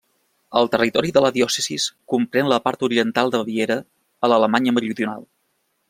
El territori de la diòcesi comprèn la part oriental de Baviera, a l'Alemanya meridional.